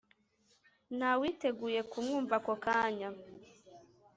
ntawiteguye kumwumva ako kanya